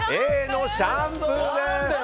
Ａのシャンプーです。